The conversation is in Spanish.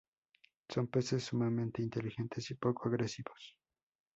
Son peces sumamente inteligentes y poco agresivos.